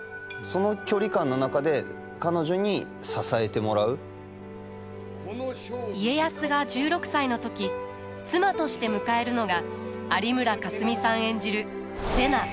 とにかく僕にとって家康が１６歳の時妻として迎えるのが有村架純さん演じる瀬名。